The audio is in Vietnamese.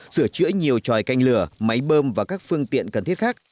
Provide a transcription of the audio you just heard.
sửa chữa nhiều tròi canh lửa máy bơm và các phương tiện cần thiết khác